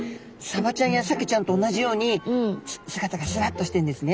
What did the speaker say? サバちゃんやサケちゃんと同じように姿がすらっとしてるんですね。